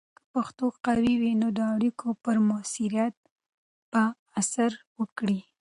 که پښتو قوي وي، نو د اړیکو پر مؤثریت به اثر وکړي.